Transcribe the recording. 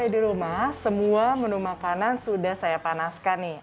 dua menu makanan sudah saya panaskan nih